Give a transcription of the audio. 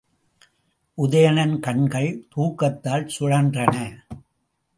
உதயணன் கண்கள் தூக்கத்தால் சுழன்றன.